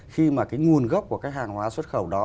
khi mà cái nguồn gốc của cái hàng hóa xuất khẩu đó